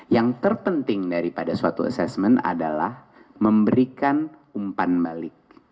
yang terpenting daripada suatu assessment adalah memberikan umpan balik